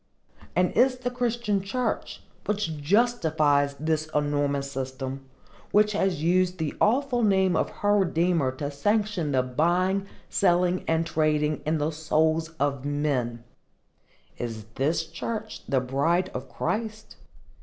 And is the Christian church, which justifies this enormous system,—which has used the awful name of her Redeemer to sanction the buying, selling and trading in the souls of men,—is this church the bride of Christ?